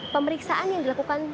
pemeriksaan yang dilakukan